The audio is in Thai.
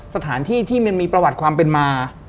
สถานที่ที่มันมีประวัติความเป็นมา